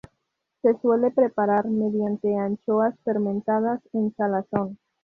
Se suele preparar mediante anchoas fermentadas en salazón.